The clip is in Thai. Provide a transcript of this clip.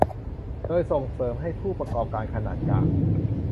โดยส่งเสริมให้ผู้ประกอบการขนาดกลาง